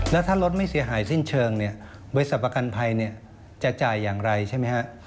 แล้วถ้ารถไม่เสียหายสิ้นเชิงเนี่ยบริษัทประกันภัยเนี่ยจะจ่ายอย่างไรใช่ไหมฮะ